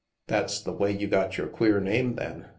" That's the way you got your queer name then